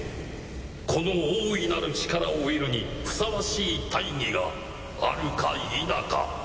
この大いなる力を得るにふさわしい大義があるかいなか！？